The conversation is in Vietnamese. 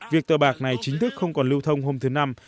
việc tờ bạc này chính thức không còn lưu thông hôm thứ năm